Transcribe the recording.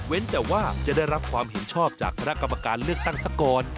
แต่ว่าจะได้รับความเห็นชอบจากคณะกรรมการเลือกตั้งซะก่อน